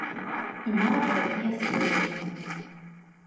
І нават такія свойскія.